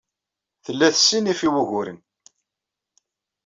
Tella tessinif i wuguren.